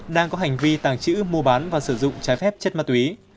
đang có hành vi tàng trữ mua bán và sử dụng trái phép chất ma túy